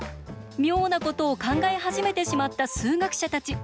妙なことを考え始めてしまった数学者たち。